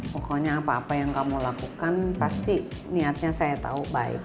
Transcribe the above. pokoknya apa apa yang kamu lakukan pasti niatnya saya tahu baik